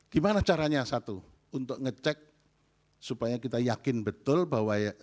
gimana caranya satu untuk ngecek supaya kita yakin betul bahwa